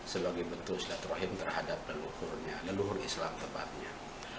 sebagai betul istilatrahim terhadap leluhurnya leluhur islam tepatnya